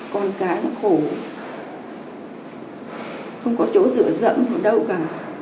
con cái nó khổ không có chỗ rửa rẫm ở đâu cả